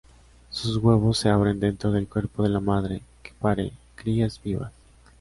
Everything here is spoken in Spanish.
Sus huevos se abren dentro del cuerpo de la madre, que pare crías vivas.